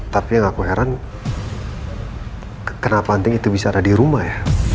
tapi yang aku heran kenapa anting itu bicara di rumah ya